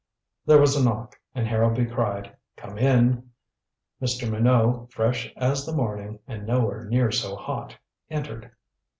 There was a knock, and Harrowby cried: "Come in." Mr. Minot, fresh as the morning and nowhere near so hot, entered.